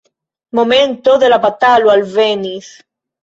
Momento de la batalo alvenis.